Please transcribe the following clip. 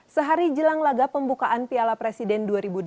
sehari jelang laga pembukaan piala presiden dua ribu delapan belas